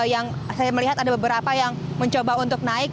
yang saya melihat ada beberapa yang mencoba untuk naik